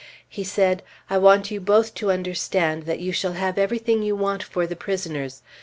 He said, "I want you both to understand that you shall have everything you want for the prisoners.